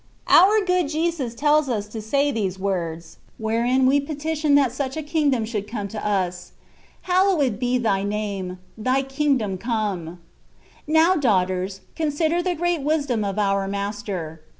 Our Good Jesus tells us to say these words, wherein we petition that such a Kingdom should come to us :" Hallowed be thy name : thy King dom come/' Now, daughters, consider the great wisdom of our Master.